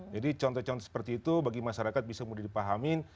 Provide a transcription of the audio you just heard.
jadi contoh contoh seperti itu bagi masyarakat bisa mudah dipahami